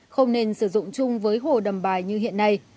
không nên sử dụng chung với hồ đầm bài như hiện nay